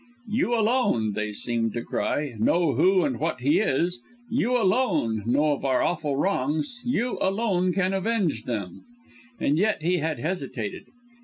"You alone," they seemed to cry, "know who and what he is! You alone know of our awful wrongs; you alone can avenge them!" And yet he had hesitated!